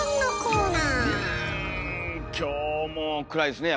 うん今日も暗いですね